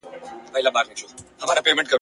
چي پر چا د نعمتونو باران اوري !.